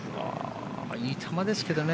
いい球ですけどね